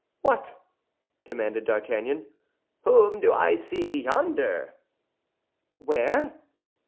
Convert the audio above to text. "What!" demanded D'Artagnan. "Whom do I see yonder?" "Where?"